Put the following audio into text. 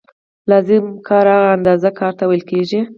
لازم کار هغه اندازه کار ته ویل کېږي